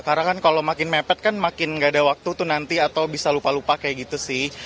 karena kan kalau makin mepet kan makin gak ada waktu tuh nanti atau bisa lupa lupa kayak gitu sih